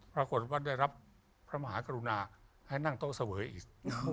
ปรากฏว่าได้รับพระมหากรุณาให้นั่งโต๊ะเสวยอีก